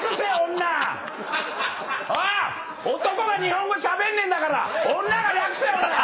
おぉ⁉男が日本語しゃべんねえんだから女が訳せ！